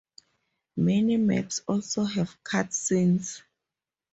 Many maps also have cut scenes.